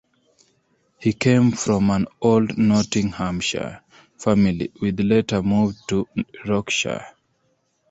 He came from an old Nottinghamshire family which later moved to Yorkshire.